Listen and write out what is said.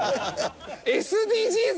ＳＤＧｓ